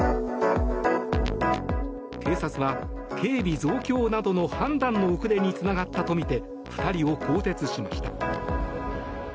警察は警備増強などの判断の遅れにつながったとみて２人を更迭しました。